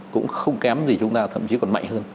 cũng không kém gì chúng ta thậm chí còn mạnh hơn